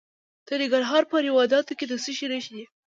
د ننګرهار په روداتو کې د څه شي نښې دي؟